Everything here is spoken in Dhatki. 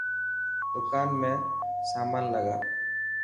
دڪان ۾ سامان لگا.